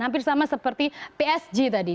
hampir sama seperti psg tadi